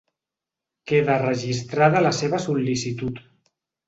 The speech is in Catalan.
Queda registrada la seva sol•licitud.